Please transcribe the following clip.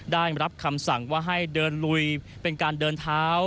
ได้รับคำสั่งว่าให้เดินลุยเป็นการเดินเท้า